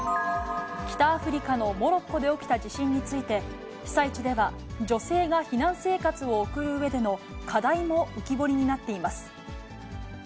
北アフリカのモロッコで起きた地震について、被災地では、女性が避難生活を送るうえでの課題も浮き彫りになっています。